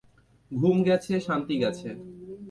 ঘুম গেছে, শান্তি গেছে।